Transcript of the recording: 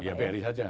iya bri saja